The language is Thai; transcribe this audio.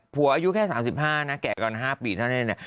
อายุแค่๓๕นะแก่กัน๕ปีเท่านั้น